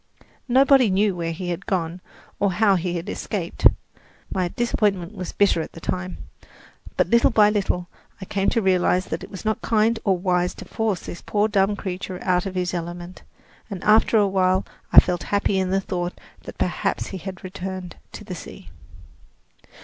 Nobody knew where he had gone, or how he had escaped. My disappointment was bitter at the time; but little by little I came to realize that it was not kind or wise to force this poor dumb creature out of his element, and after awhile I felt happy in the thought that perhaps he had returned to the sea.